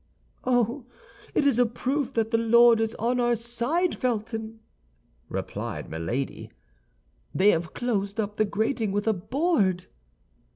"Oh, it is a proof that the Lord is on our side, Felton," replied Milady. "They have closed up the grating with a board."